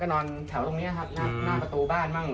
นอนแถวตรงนี้ครับหน้าประตูบ้านบ้าง